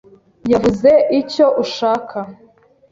Yavuze icyo ushaka